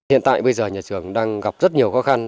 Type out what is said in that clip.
hiện tại bây giờ nhà trường đang gặp rất nhiều khó khăn